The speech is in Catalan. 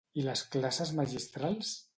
I de classes magistrals?